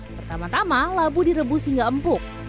pertama tama labu direbus hingga empuk